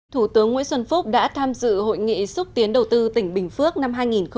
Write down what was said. thủ tướng nguyễn xuân phúc đã tham dự hội nghị xúc tiến đầu tư tỉnh bình phước năm hai nghìn một mươi chín